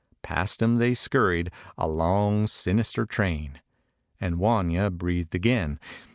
Past him they scurried, a long sinister train, and Wanya breathed again.